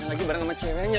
lagi bareng sama ceweknya